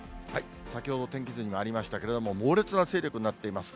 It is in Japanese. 先ほど天気図にもありましたけれども、猛烈な勢力になっています。